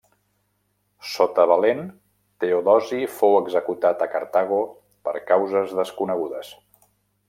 Sota Valent, Teodosi fou executat a Cartago per causes desconegudes.